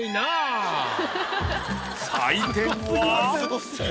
採点は。